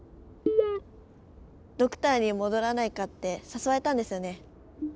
ドクターに戻らないかって誘われたんですよね？